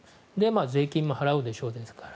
税金も払うでしょうから。